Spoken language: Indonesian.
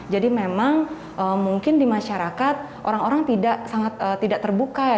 jadi memang mungkin di masyarakat orang orang tidak terbuka ya